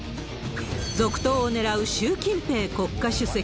続投をねらう習近平国家主席。